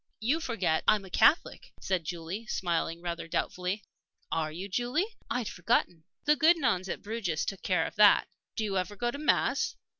"You forget I'm a Catholic," said Julie, smiling rather doubtfully. "Are you, Julie? I'd forgotten." "The good nuns at Bruges took care of that." "Do you ever go to mass?"